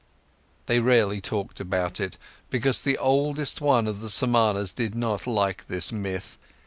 They rarely talked about it, because the oldest one of the Samanas did not like this myth.